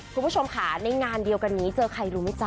คุณผู้ชมค่ะในงานเดียวกันนี้เจอใครรู้ไหมจ๊